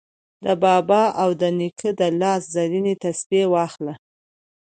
د بابا او د نیکه د لاس زرینې تسپې واخله